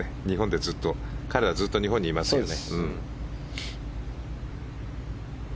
彼はずっと日本にいますからね。